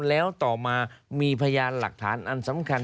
แล้วต่อมามีพยานหลักฐานอันสำคัญ